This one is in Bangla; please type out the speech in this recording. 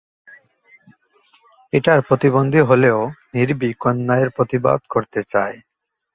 পিটার প্রতিবন্ধী হলেও নির্ভীক, অন্যায়ের প্রতিবাদ করতে চায়।